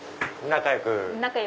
仲良く。